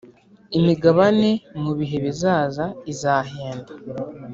imigabane mu bihe bizaza izahenda